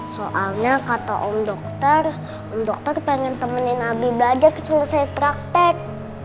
soalnya kata om dokter om dokter pengen temenin nabi belajar selesai praktek